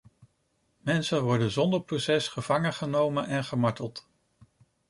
Mensen worden zonder proces gevangengenomen en gemarteld.